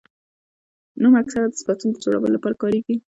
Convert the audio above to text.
نوم اکثره د صفتونو د جوړولو له پاره کاریږي.